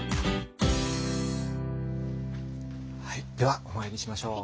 はいではお参りしましょう。